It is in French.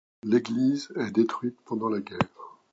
L'église est détruite pendant la guerre.